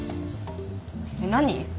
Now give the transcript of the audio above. えっ何？